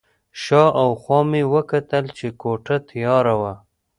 شا او خوا مې وکتل چې کوټه تیاره وه.